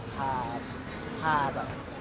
พาแบบ